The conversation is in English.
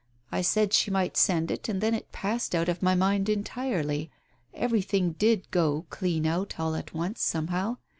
I said she might send it, and then it passed out of my mind entirely. Everything did go clean out all at once, somehow